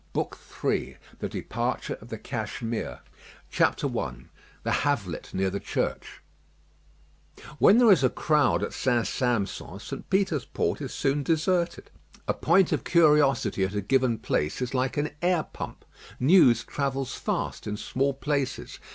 BOOK III THE DEPARTURE OF THE CASHMERE I THE HAVELET NEAR THE CHURCH When there is a crowd at St. Sampson, St. Peter's Port is soon deserted. A point of curiosity at a given place is like an air pump. News travel fast in small places.